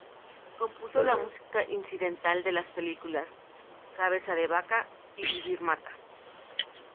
Compuso la música incidental de las películas "Cabeza de Vaca" y "Vivir mata".